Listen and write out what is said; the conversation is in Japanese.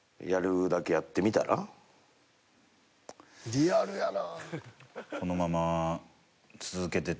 リアルやな。